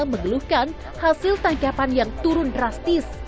mengeluhkan hasil tangkapan yang turun drastis